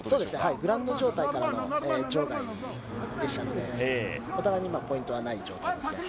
グランド状態からの場外でしたので、お互いに今、ポイントはない状態ですね。